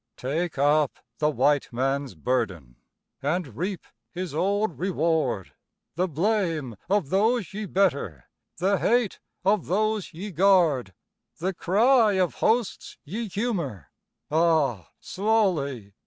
Take up the White Man's burden And reap his old reward; The blame of those ye better, The hate of those ye guard The cry of hosts ye humour (Ah, slowly!)